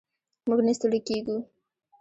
موږ نه ستړي کیږو.